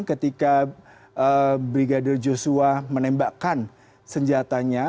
ketika brigadir joshua menembakkan senjatanya